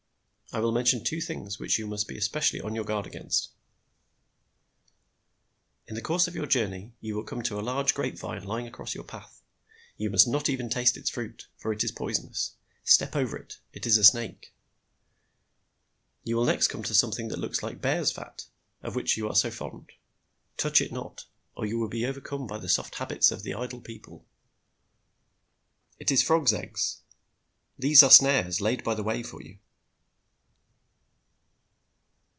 I will mention two things which you must be especially on your guard against. "In the course of your journey you will come to a large grape vine lying across your path. You must not even taste its fruit, for it is poisonous. Step over it. It is a snake. You will nest come to something that looks like bear's fat, of which you are so fond. Touch it not, or you will be overcome by the soft habits of the idle people. It is frog's eggs. These are snares laid by the way for you."